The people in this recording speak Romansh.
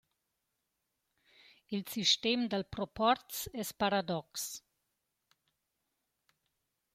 «Il sistem dal proporz es paradox.